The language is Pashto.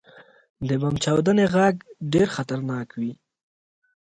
• د بم چاودنې ږغ ډېر خطرناک وي.